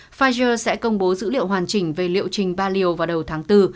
pfizer sẽ công bố dữ liệu hoàn chỉnh về liệu trình ba liều vào đầu tháng bốn